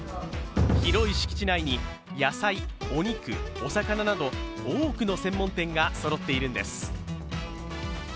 広い敷地内に野菜、お肉、お魚など多くの専門店がそろっているんです。